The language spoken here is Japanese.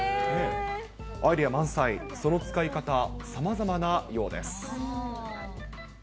アイデア満載、その使い方、さまざまなようです。